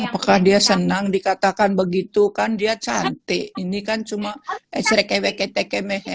apakah dia senang dikatakan begitu kan dia cantik ini kan cuma esrek keweket kemehe